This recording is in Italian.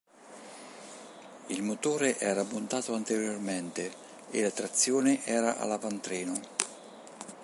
Il motore era montato anteriormente, e la trazione era all’avantreno.